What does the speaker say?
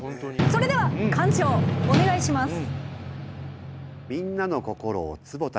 それでは館長お願いします。